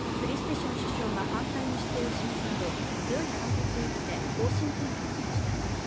ション首相が反対の姿勢を示すなど強い反発を受けて、方針転換しました。